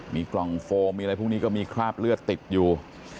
มีกล่องโฟมมีอะไรพวกนี้ก็มีคราบเลือดติดอยู่